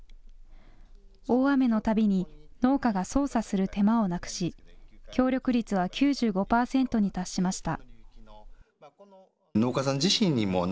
大雨のたびに農家が操作する手間をなくし協力率は９５％に達しました。